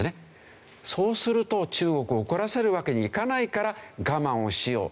そうすると中国を怒らせるわけにいかないから我慢をしよう。